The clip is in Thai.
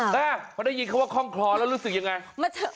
แต่พอได้ยินคำว่าคล่องคลอแล้วรู้สึกยังไง